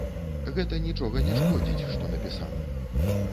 Гэта нічога не шкодзіць, што напісана.